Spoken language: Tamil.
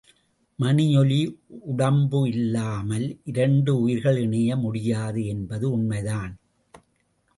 மணியொலி உடம்பு இல்லாமல் இரண்டு உயிர்கள் இணைய முடியாது என்பது உண்மைதான்.